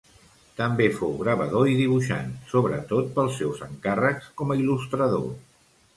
També fou gravador i dibuixant, sobretot pels seus encàrrecs com a il·lustrador.